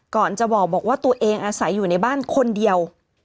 ก่อนจะบอกว่าตัวเองอาศัยอยู่ในบ้านคนเดียว